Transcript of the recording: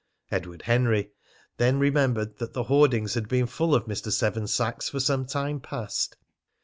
Edward Henry then remembered that the hoardings had been full of Mr. Seven Sachs for some time past.